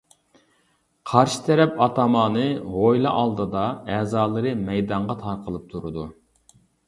قارشى تەرەپ ئاتامانى «ھويلا» ئالدىدا، ئەزالىرى مەيدانغا تارقىلىپ تۇرىدۇ.